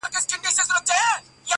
دعوه د سړيتوب دي لا مشروطه بولمیاره